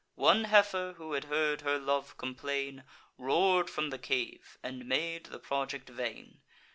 One heifer, who had heard her love complain, Roar'd from the cave, and made the project vain.